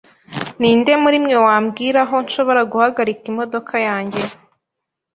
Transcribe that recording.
Ninde muri mwe wambwira aho nshobora guhagarika imodoka yanjye?